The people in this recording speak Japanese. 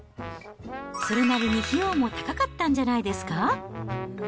それなりに費用も高かったんじゃないですか？